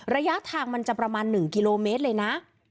ระยะทางมันจะประมาณ๑กิโลเมตรเลยนะ